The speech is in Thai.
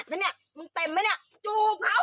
ถามล่ะค่ะ